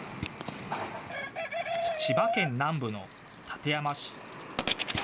千葉県南部の館山市。